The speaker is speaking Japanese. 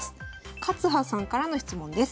かつはさんからの質問です。